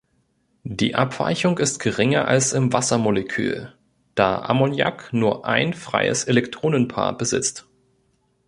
Die Abweichung ist geringer als im Wassermolekül, da Ammoniak nur ein freies Elektronenpaar besitzt.